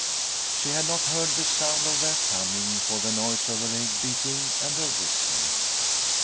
She had not heard the sound of their coming, for the noise of her egg beating and her whistling.